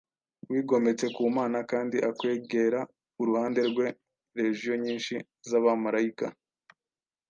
wigometse ku Mana, kandi akwegera uruhande rwe Legio nyinshi z'Abamarayika,